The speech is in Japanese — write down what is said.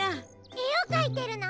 えをかいてるの？